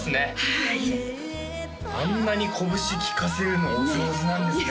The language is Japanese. はいあんなにこぶしきかせるのお上手なんですね